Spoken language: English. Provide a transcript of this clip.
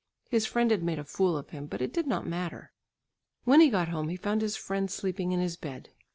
His friend had made a fool of him, but it did not matter. When he got home he found his friend sleeping in his bed.